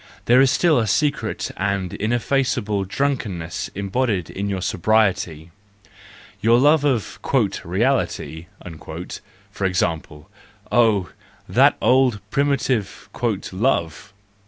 There is still a secret and ineffaceable drunken¬ ness embodied in your sobriety! Your love of " reality," for example—oh, that is an old, primitive " love